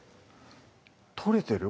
取れてる？